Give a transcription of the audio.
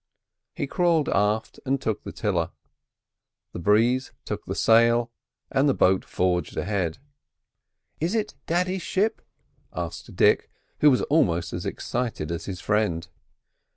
He crawled aft and took the tiller; the breeze took the sail, and the boat forged ahead. "Is it daddy's ship?" asked Dick, who was almost as excited as his friend.